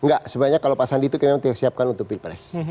enggak sebenarnya kalau pak sandi itu memang kita siapkan untuk pilpres